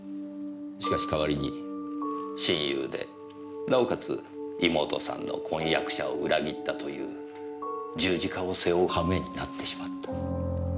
しかし代わりに親友でなおかつ妹さんの婚約者を裏切ったという十字架を背負う羽目になってしまった。